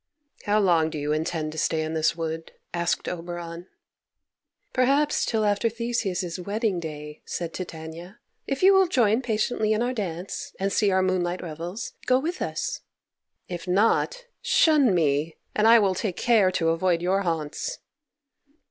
"How long do you intend to stay in this wood?" asked Oberon. "Perhaps till after Theseus's wedding day," said Titania. "If you will join patiently in our dance, and see our moonlight revels, go with us. If not, shun me, and I will take care to avoid your haunts."